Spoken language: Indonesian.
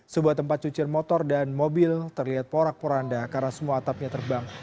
sebuah tempat cucir motor dan mobil terlihat porak poranda karena semua atapnya terbang